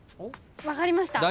分かりました。